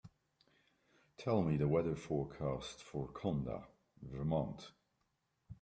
Tell me the weather forecast for Conda, Vermont